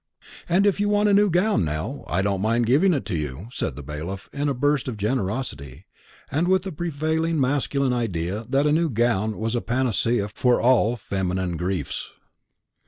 "And if you want a new gown, Nell, I don't mind giving it you," said the bailiff, in a burst of generosity, and with the prevailing masculine idea that a new gown was a panacea for all feminine griefs.